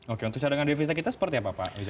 oke untuk cadangan devisa kita seperti apa pak